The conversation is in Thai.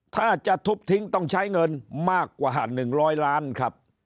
ถ้าจะทุบทิ้งต้องใช้เงินมากกว่า๑๐๐ล้านครับ